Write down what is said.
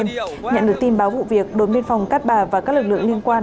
nhận được tin báo vụ việc đối miên phòng cát bà và các lực lượng liên quan